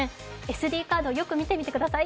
ＳＤカードよく見てみてください